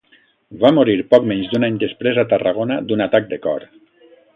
Va morir poc menys d'un any després a Tarragona d'un atac de cor.